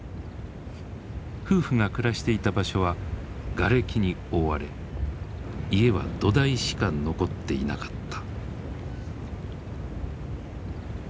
夫婦が暮らしていた場所はがれきに覆われ家は土台しか残っていなかった。